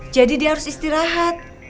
jadi dia harus istirahat